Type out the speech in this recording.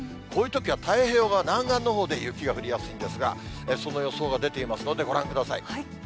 こういうときは太平洋側、南岸のほうで雪が降りやすいんですが、その予想が出ていますので、ご覧ください。